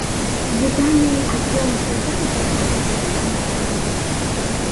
Zidane akiwa mchezaji alishinda makombe yote